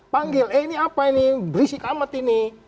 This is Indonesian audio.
panggil eh ini apa ini berisik amat ini